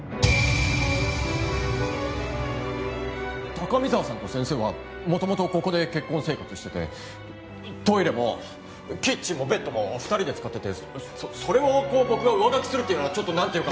高見沢さんと先生は元々ここで結婚生活しててトイレもキッチンもベッドも２人で使っててそそれをこう僕が上書きするっていうのはちょっとなんていうか。